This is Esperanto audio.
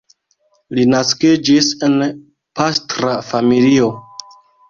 Li naskiĝis en pastra familio.